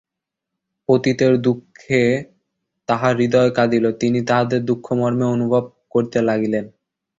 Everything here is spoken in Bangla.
পতিতের দুঃখে তাঁহার হৃদয় কাঁদিল, তিনি তাহাদের দুঃখ মর্মে মর্মে অনুভব করিতে লাগিলেন।